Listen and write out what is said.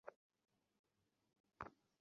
মুসলমানের রক্ত এত সস্তা নয়।